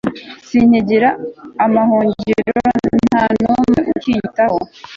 sinkigira amahungiro, nta n'umwe ukinyitayeho